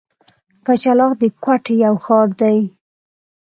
کچلاغ د کوټي یو ښار دی.